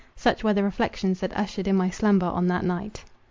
Such were the reflections that ushered in my slumber on that night.